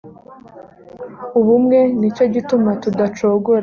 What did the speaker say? ubumwe ni cyo gituma tudacogora .